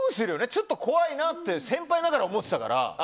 ちょっと怖いなって先輩ながら思っていたから。